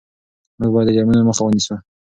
موږ باید د جرمونو مخه ونیسو.